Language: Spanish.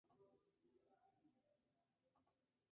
Prácticamente todas las canciones han sido escritas por Michelle.